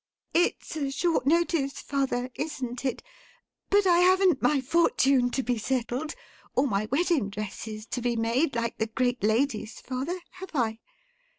It's a short notice, father—isn't it?—but I haven't my fortune to be settled, or my wedding dresses to be made, like the great ladies, father, have I?